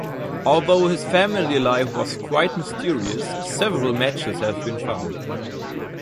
Although his family life was quite mysterious, several matches have been found.